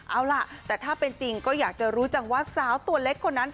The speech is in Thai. เอาล่ะแต่ถ้าเป็นจริงก็อยากจะรู้จังว่าสาวตัวเล็กคนนั้น